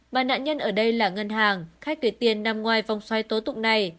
bà nạn nhân ở đây là ngân hàng khách tùy tiền nằm ngoài vòng xoay tố tụng này